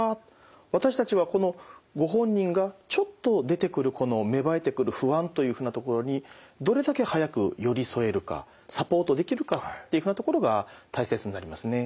私たちはこのご本人がちょっと出てくるこの芽生えてくる不安というふうなところにどれだけ早く寄り添えるかサポートできるかっていうふうなところが大切になりますね。